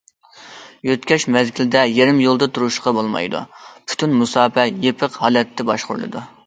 يۆتكەش مەزگىلىدە يېرىم يولدا تۇرۇشقا بولمايدۇ، پۈتۈن مۇساپە يېپىق ھالەتتە باشقۇرۇلىدۇ.